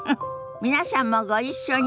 皆さんもご一緒に。